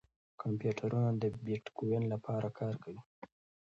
کمپیوټرونه د بېټکوین لپاره کار کوي.